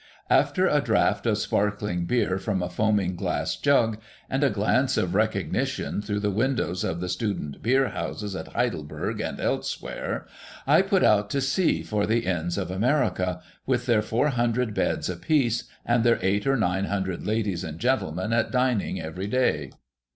After a draught of sparkling l)eer from a foaming glass jug, and a glance of recognition through the windows of the student beer houses at Heidelberg and elsewhere, I put out to sea for the Lms of America, with their four hundred beds apiece, and their eight or nine hundred ladies and gentlemen at dinner every day.